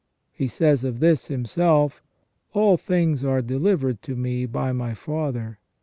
He says of this Himself: "All things are delivered to Me by My Father.